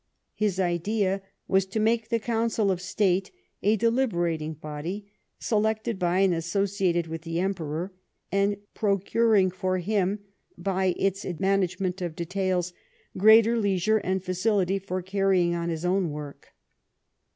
His idea was to make of the Council of State a deliberatino body, selected by and associated with the Emperor, and procuring for him, by its management of details, greater leisure and facility for carrying on his own work.